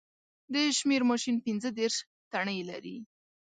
د شمېر ماشین پینځه دېرش تڼۍ لري